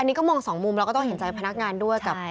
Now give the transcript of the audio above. อันนี้ก็มองสองมุมเราก็ต้องเห็นใจพนักงานด้วยกับ